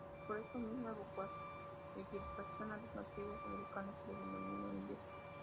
Por esa misma equivocación a los nativos americanos se les denominó indios.